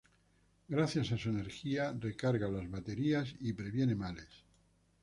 Gracias a su energía, recarga las baterías y previene males.